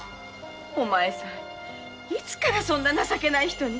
お前さんいつからそんな情けない人に。